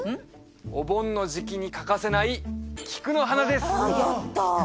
お盆の時期に欠かせない「菊の花」です！